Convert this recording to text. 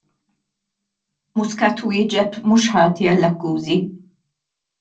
Muscat wieġeb mhux ħati għall-akkużi.